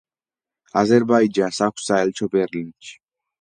აზერბაიჯანს აქვს საელჩო ბერლინში.